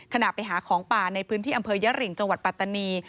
ขณะไปหาของป่าในพื้นที่อำเภอยริงจังหวัดปัตตานี